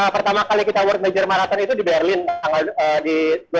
pertama kali kita world major marathon itu di berlin di dua ribu enam belas